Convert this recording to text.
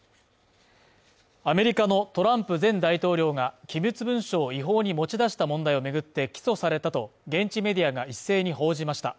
アメリカのトランプ前大統領が、機密文書を違法に持ち出した問題を巡って起訴されたと現地メディアが一斉に報じました。